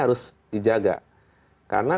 harus dijaga karena